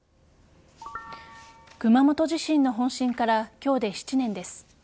熊本地震の本震から今日で７年です。